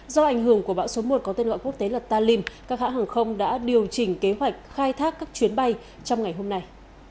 do ảnh hưởng của bão số một có tên gọi quốc tế là talim các hãng hàng không đã điều chỉnh kế hoạch khai thác các chuyến bay trong ngày hôm nay